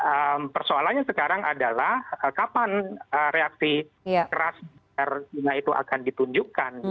jadi persoalannya sekarang adalah kapan reaksi keras dari china itu akan ditunjukkan